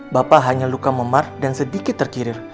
bapak hanya luka memar dan sedikit terkirir